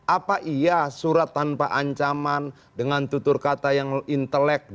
apa iya surat tanpa ancaman dengan tutur kata yang intelek